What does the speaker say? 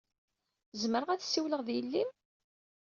Zemreɣ ad ssiwleɣ d yelli-m?